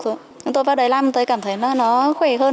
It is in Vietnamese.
chúng tôi vào đây làm tới cảm thấy nó khỏe hơn